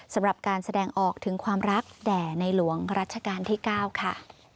สำหรับการแสดงออกถึงความรักแด่ในหลวงรัชกาลที่๙ค่ะ